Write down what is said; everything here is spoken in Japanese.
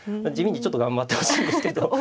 地味にちょっと頑張ってほしいんですけど。